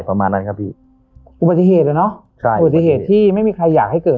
ประมาณนั้นครับพี่อุบัติเหตุเหรอเนอะใช่อุบัติเหตุที่ไม่มีใครอยากให้เกิด